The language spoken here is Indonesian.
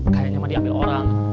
kayaknya mah diambil orang